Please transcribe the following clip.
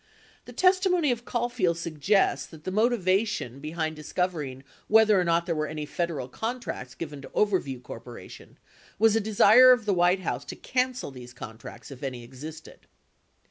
The testimony of Caulfield suggests that the motiva tion behind discovering whether or not there were any Federal con tracts given to Overview Corp. was a desire of the White House to cancel these contracts if any existed.